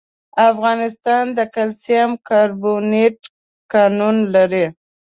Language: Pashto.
افغانستان د کلسیم کاربونېټ کانونه لري.